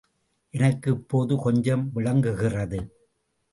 எனக்கு இப்போது கொஞ்சம் விளங்குகிறது.